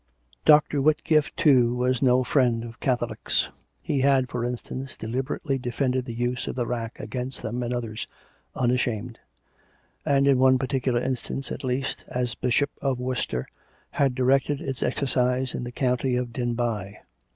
Dr. Whitgift, too, was no friend to Catholics: he had, for instance, deliberately defended the use of the rack against them and others, unashamed; and in one particular instance, at least, as Bishop of Worcester, had directed its exercise in the county of Denbigh.